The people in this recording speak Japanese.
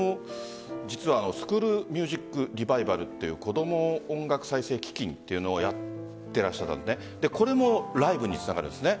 スクールミュージックリバイバルという子供音楽再生基金というのをやっていらっしゃったのでこれもライブにつながるんですね。